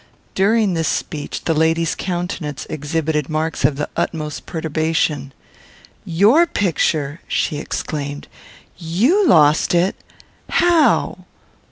During this speech the lady's countenance exhibited marks of the utmost perturbation. "Your picture!" she exclaimed; "you lost it! How?